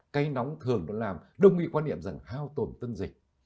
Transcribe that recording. cây nóng thường nó làm đồng ý quan niệm rằng hao tồn tân dịch